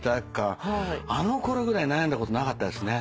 あのころぐらい悩んだことなかったですね。